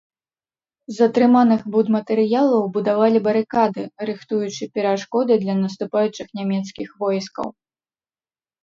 З атрыманых будматэрыялаў будавалі барыкады, рыхтуючы перашкоды для наступаючых нямецкіх войскаў.